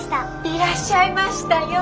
いらっしゃいましたよ。